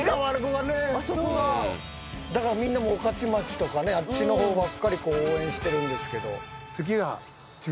だからみんなも御徒町とかねあっちの方ばっかり応援してる。